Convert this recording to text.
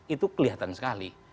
itu kelihatan sekali